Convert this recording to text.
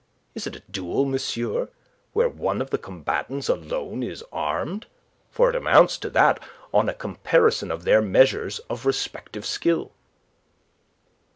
Is it a duel, monsieur, where one of the combatants alone is armed? For it amounts to that on a comparison of their measures of respective skill."